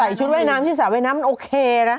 ใส่ชุดไว้น้ำใช้สระไว้น้ำมันโอเคนะ